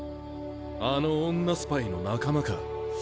あの女スパイの仲間か。